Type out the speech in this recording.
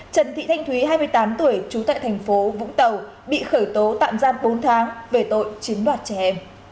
trần thị thanh thúy hai mươi tám tuổi trú tại thành phố vũng tàu bị khởi tố tạm giam bốn tháng về tội chiếm đoạt trẻ em